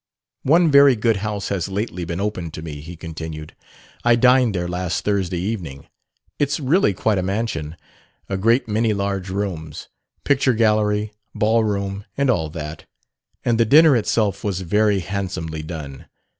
"One very good house has lately been opened to me," he continued. "I dined there last Thursday evening. It's really quite a mansion a great many large rooms: picture gallery, ballroom, and all that; and the dinner itself was very handsomely done.